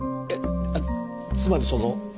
つまりその。